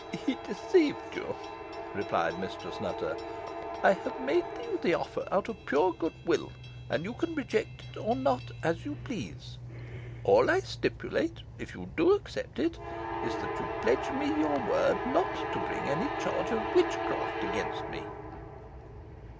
"He deceived you," replied Mistress Nutter. "I have made you the offer out of pure good will, and you can reject it or not, as you please. All I stipulate, if you do accept it, is, that you pledge me your word not to bring any charge of witchcraft against me."